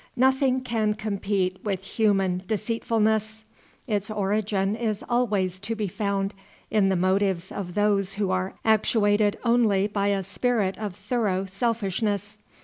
Nothing can compete with human deceitfulness. Its origin is always to be found in the motives of those who are actuated only by a spirit of thorough selfishness.